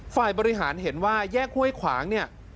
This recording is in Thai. ฝ่ายบริหารเห็นว่าแยกห้วยขวางเนี่ย